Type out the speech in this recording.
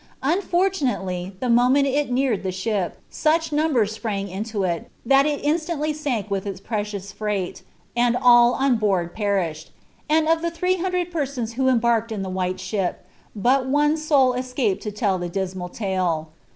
Unfortu oalriy, the moment it neared the ship, such numbers spmng into it, that it (BalaDiiy tank with its precious freight, and all on board perished \ and af iIm thrae hundred persons who embarked in the white ship, but one •ool neaped to tell the dismal tale.